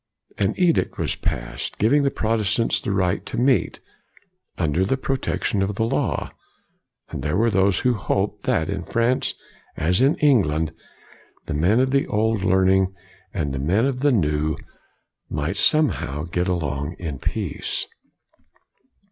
An edict was passed giving the Protestants the right to meet, under the protection of the law. And there were those who hoped, that in France as in England, the men of the old learning and the men of the new, might somehow get along in peace.